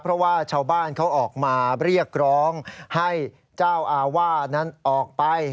เพราะว่าชาวบ้านเขาออกมาเรียกร้องให้เจ้าอาวาสนั้นออกไป